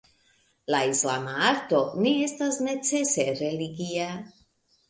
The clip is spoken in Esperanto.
La islama arto ne estas necese religia.